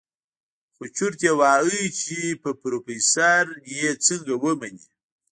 خو چورت يې وهه چې په پروفيسر يې څنګه ومني.